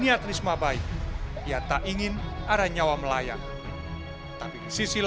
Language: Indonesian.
jadi apa yang saya lakukan ini